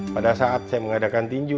pada saat saya mengadakan tinju